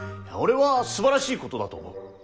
俺はすばらしいことだと思う。